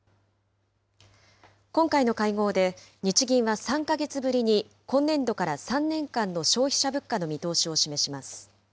今回の会合で、日銀は３か月ぶりに今年度から３年間の消費者物価の見通しを示します。